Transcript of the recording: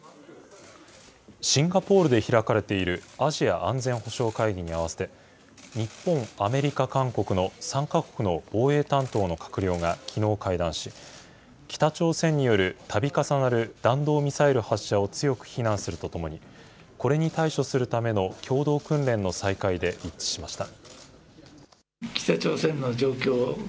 シンガポールで開かれているアジア安全保障会議に合わせて、日本、アメリカ、韓国の３か国の防衛担当の閣僚がきのう会談し、北朝鮮によるたび重なる弾道ミサイル発射を強く非難するとともに、これに対処するための共同訓練の再開で一致しました。